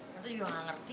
tante juga gak ngerti